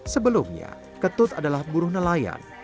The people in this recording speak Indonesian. sebelumnya ketut adalah buruh nelayan